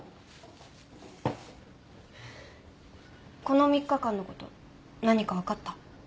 この３日間のこと何か分かった？